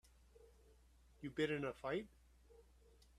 You been in a fight?